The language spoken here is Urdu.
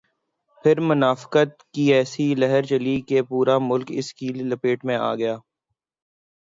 پھر منافقت کی ایسی لہر چلی کہ پورا ملک اس کی لپیٹ میں آ گیا۔